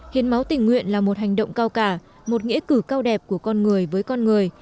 hiến máu tình nguyện là một hành động cao cả một nghĩa cử cao đẹp của con người với con người